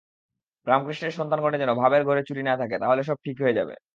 রামকৃষ্ণের সন্তানগণের যেন ভাবের ঘরে চুরি না থাকে, তাহলে সব ঠিক হয়ে যাবে।